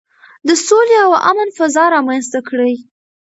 د سولې او امن فضا رامنځته کړئ.